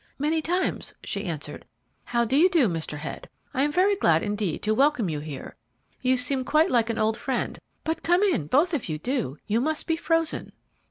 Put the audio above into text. "Many times," she answered. "How do you do, Mr. Head? I am very glad indeed to welcome you here you seem quite like an old friend; but come in both of you, do you must be frozen."